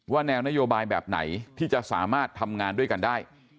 แนวนโยบายแบบไหนที่จะสามารถทำงานด้วยกันได้